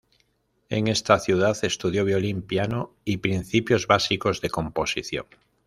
En esta ciudad estudió violín, piano y principios básicos de composición.